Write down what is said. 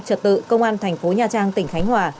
trật tự công an thành phố nha trang tỉnh khánh hòa